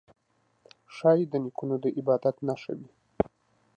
دا ښايي د نیکونو د عبادت نښه وي.